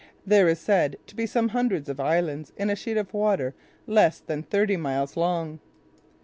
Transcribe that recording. There are said to be some hundreds of islands in a sheet of water less than thirty miles long.